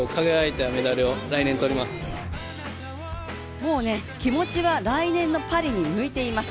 もう気持ちは来年のパリに向いています。